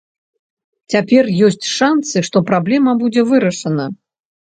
Цяпер ёсць шанцы, што праблема будзе вырашана.